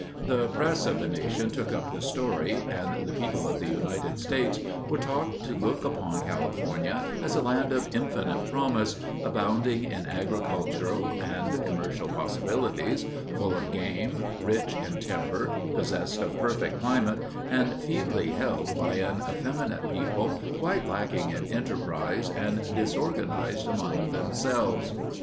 The press of the nation took up the story, and the people of the United States were taught to look upon California as a land of infinite promise, abounding in agricultural and commercial possibilities, full of game, rich in timber, possessed of perfect climate, and feebly held by an effeminate people quite lacking in enterprise and disorganized among themselves.